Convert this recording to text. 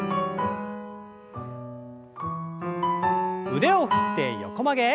腕を振って横曲げ。